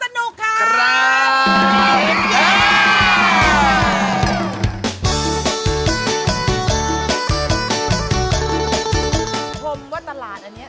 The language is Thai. คุณผู้ชมว่าตลาดอันนี้